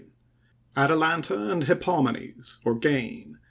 —ATALANTA AND HIPPOMENES, OR GAIN.